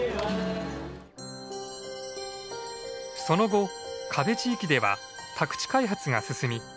その後可部地域では宅地開発が進み